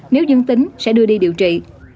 nếu dân tính sẽ đưa đi điều trị